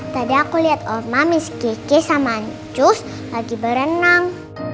tadi aku liat oma miss kiki sama ancus lagi berenang